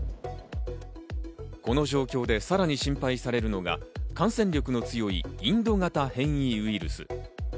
この状況でさらに心配されるのが、感染力の強いインド型変異ウイルス。